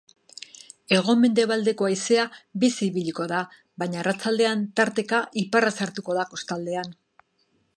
Hego-mendebaldeko haizea bizi ibiliko da, baina arratsaldean tarteka iparra sartuko da kostaldean.